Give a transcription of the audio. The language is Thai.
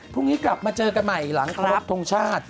พรุ่งนี้กลับมาเจอกันใหม่หลังครบทรงชาติ